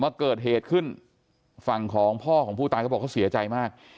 มาเกิดเหตุขึ้นฝั่งของพ่อของผู้ตายเขาบอกเขาเสียใจมาก